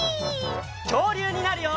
きょうりゅうになるよ！